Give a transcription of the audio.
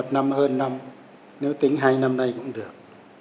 một năm hơn năm nếu tính hai năm nay cũng được